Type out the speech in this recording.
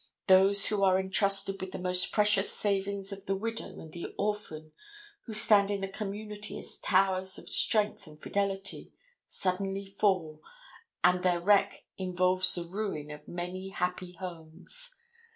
Those who are intrusted with the most precious savings of the widow and the orphan, who stand in the community as towers of strength and fidelity, suddenly fall, and their wreck involves the ruin of many happy homes.